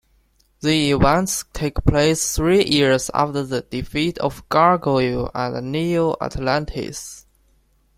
The events take place three years after the defeat of Gargoyle and Neo-Atlantis.